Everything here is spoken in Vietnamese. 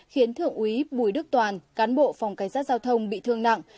khiến thượng úy bùi đức toàn cán bộ phòng cảnh sát giao thông bị thương nặng